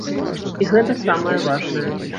І гэта самае важнае.